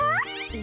え？